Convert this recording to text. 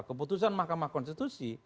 keputusan mahkamah konstitusi